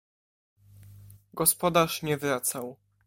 Gospodarz nie wracał.